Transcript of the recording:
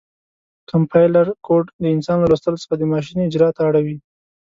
کمپایلر کوډ د انسان له لوستلو څخه د ماشین اجرا ته اړوي.